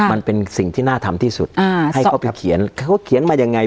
มันเป็นสิ่งที่น่าทำที่สุดอ่าให้เขาไปเขียนเขาเขียนมายังไง